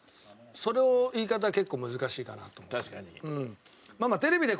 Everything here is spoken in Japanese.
その言い方結構難しいかなと思った。